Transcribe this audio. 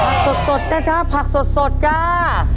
สดนะจ๊ะผักสดจ้า